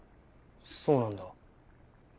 そうなんだ。